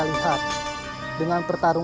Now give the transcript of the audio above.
aku mau ke kanjeng itu